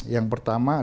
yang pertama adalah